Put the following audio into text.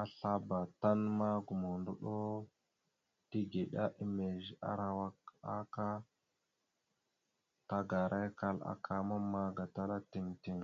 Aslabá tan ma gomohəndoɗo tigəɗá emez arawak aak, tagarakal aka mamma gatala tiŋ tiŋ.